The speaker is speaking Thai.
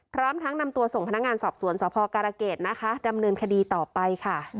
พร้อมทั้งนำตัวส่งพนักงานสอบสวนสพการเกษนะคะดำเนินคดีต่อไปค่ะ